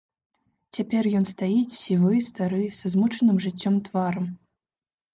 Цяпер ён стаіць, сівы, стары, са змучаным жыццём тварам.